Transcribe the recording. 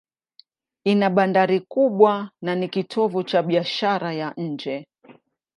Ina bandari kubwa na ni kitovu cha biashara ya nje.